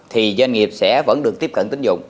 thì doanh nghiệp sẽ vẫn được tiếp cận tính dụng